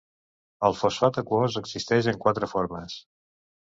El fosfat aquós existeix en quatre formes.